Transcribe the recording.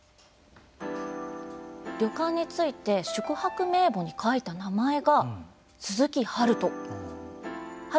旅館に着いて宿泊名簿に書いた名前が鈴木悠